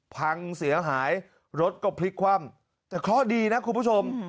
พังเสียหายรถก็พลิกคว่ำแต่เคราะห์ดีนะคุณผู้ชม